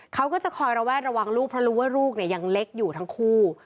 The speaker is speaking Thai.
เขาก็จะคอยระแวดระวังลูกเพราะรู้ว่าลูกเนี่ยยังเล็กอยู่ทั้งคู่